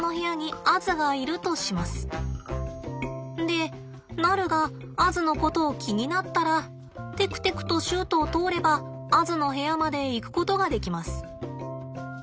でナルがアズのことを気になったらてくてくとシュートを通ればアズの部屋まで行くことができます。